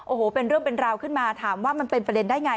โอ้โหเป็นเรื่องเป็นราวขึ้นมาถามว่ามันเป็นประเด็นได้ไง